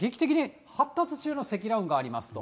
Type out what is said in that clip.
劇的に発達中に、積乱雲がありますと。